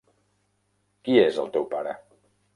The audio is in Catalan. Qui és el teu pare?